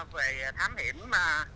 về thám hiểm